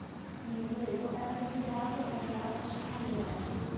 Nel medioevo era considerato la più alta cima delle Alpi.